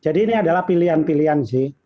jadi ini adalah pilihan pilihan sih